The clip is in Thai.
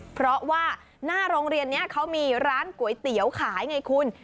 เพราะว่าหน้าโรงเรียนนี้เขามีร้านก๋วยเตี๋ยวขายไงคุณ